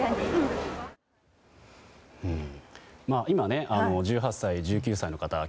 今１８歳、１９歳の方